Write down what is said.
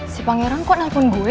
si pangeran kok nelpon gue